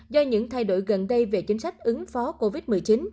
do những thay đổi gần đây về chính sách ứng phó covid một mươi chín